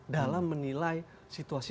dalam menilai situasi